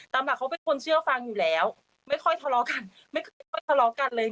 หลักเขาเป็นคนเชื่อฟังอยู่แล้วไม่ค่อยทะเลาะกันไม่ค่อยทะเลาะกันเลย